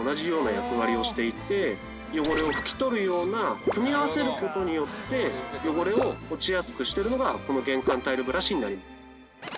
汚れを拭き取るような組み合わせる事によって汚れを落ちやすくしてるのがこの玄関タイルブラシになります。